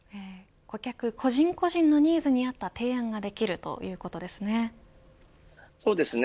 顧客、個人個人のニーズに合った提案ができるそうですね。